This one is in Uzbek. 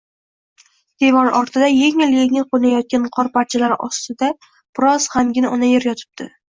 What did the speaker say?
Devor ortida, yengil-yengil qoʻnayotgan qorparchalar ostida biroz gʻamgin ona yer yotibdi.